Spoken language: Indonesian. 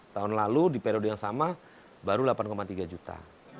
tahun lalu di periode yang sama baru delapan tiga juta